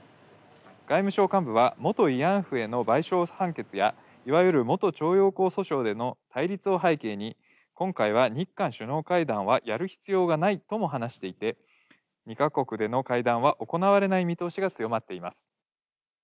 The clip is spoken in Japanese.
外務省幹部は元慰安婦への賠償判決やいわゆる元徴用工訴訟での対立を背景に、今回は日韓首脳会談はやる必要がないとも話していて、２か国での会談は行われない見通しが強まっています。